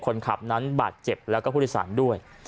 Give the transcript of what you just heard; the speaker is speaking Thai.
คนขับนั้นบาดเจ็บแล้วก็ผู้โดยสารด้วย